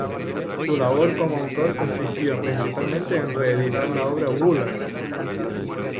Su labor como autor consistió principalmente en reeditar la obra de Wöhler.